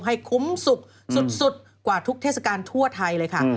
ให้คุ้มสุขสุดกว่าทุกเทศกาลทั่วไทยเลยค่ะ